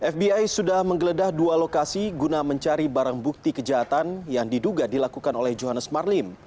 fbi sudah menggeledah dua lokasi guna mencari barang bukti kejahatan yang diduga dilakukan oleh johannes marlim